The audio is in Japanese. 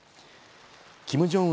キム・ジョンウン